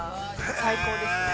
最高ですね。